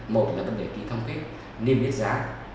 một là vấn đề ký thăm kết niêm biết giá